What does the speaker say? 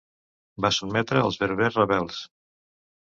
Va sotmetre als berbers rebels.